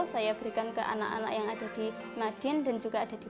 saya berikan ke anak anak yang ada di madin dan juga ada di